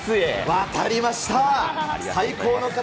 渡りました。